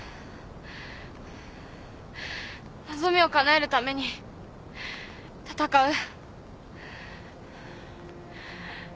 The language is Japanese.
望みをかなえるために戦う。